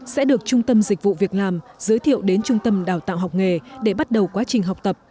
sẽ được trung tâm dịch vụ việc làm giới thiệu đến trung tâm đào tạo học nghề để bắt đầu quá trình học tập